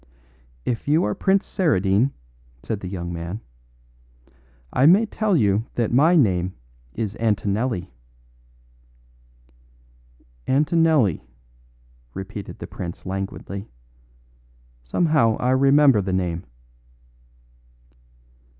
"If you are Prince Saradine," said the young man, "I may tell you that my name is Antonelli." "Antonelli," repeated the prince languidly. "Somehow I remember the name."